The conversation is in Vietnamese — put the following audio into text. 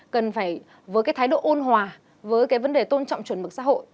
cần phải với cái thái độ ôn hòa với cái vấn đề tôn trọng chuẩn mực xã hội